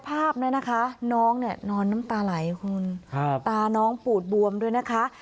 ภาพนี้นะคะน้องเนี่ยนอนน้ำตาไหลคุณตาน้องปูดบวมด้วยนะคะ